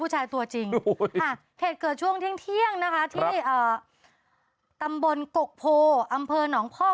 เหตุเกิดช่วงเที่ยงที่ตำบลกกโภอำเภอหนองพอก